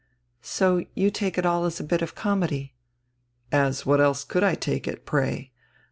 "So you take it all as a bit of comedy." "As what else could I take it, pray?